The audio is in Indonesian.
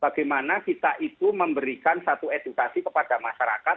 bagaimana kita itu memberikan satu edukasi kepada masyarakat